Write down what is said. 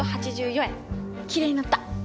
きれいになった。